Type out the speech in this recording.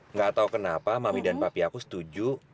nggak tahu kenapa mami dan papi aku setuju